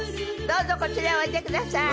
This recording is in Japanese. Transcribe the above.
どうぞこちらへおいでください。